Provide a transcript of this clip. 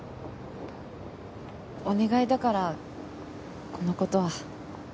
お願いだからこのことは。